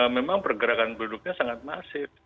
memang pergerakan penduduknya sangat masif